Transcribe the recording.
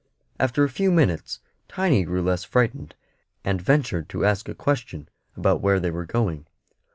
After a few minutes Tiny grew less frightened, and ventured to ask a question about where they were going.